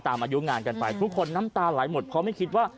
อายุงานกันไปทุกคนน้ำตาไหลหมดเพราะไม่คิดว่า